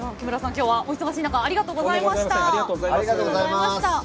今日はお忙しい中ありがとうございました。